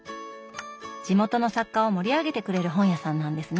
地元の作家を盛り上げてくれる本屋さんなんですね。